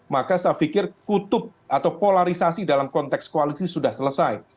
maka saya pikir kutub atau polarisasi dalam konteks koalisi sudah selesai